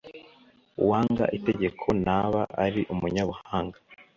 Uwanga itegeko ntaba ari umunyabuhanga,